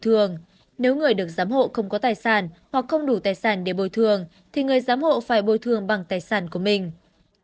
nếu người được giám hộ không có tài sản hoặc không đủ tài sản để bồi thường thì người giám hộ phải bồi thường bằng tài sản của mình